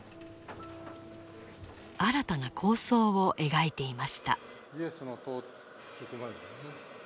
新たな構想を描いていました。